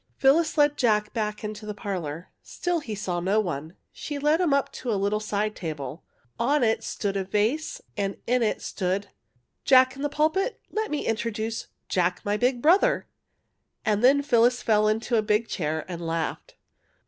'' Phyllis led Jack back into the parlour. Still he saw no one. She led him up to a little side table. On it stood a vase and in it stood —'' Jack in the pulpit, let me introduce Jack my big brother/' and then PhyUis fell into a big chair and laughed.